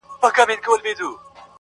• زوی له ډېره کیبره و ویله پلار ته,